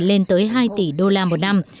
lên tới hai tỷ usd một năm